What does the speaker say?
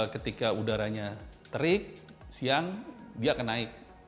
ketika udaranya terik siang dia akan naik